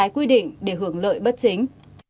quy định để hưởng lợi bất chính